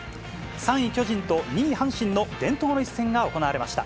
３位巨人と２位阪神の伝統の一戦が行われました。